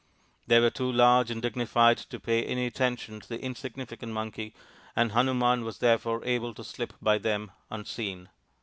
They were too large and dignified to pay any attention to the insignificant Monkey, and Hanuman was there fore able to slip by them unseen.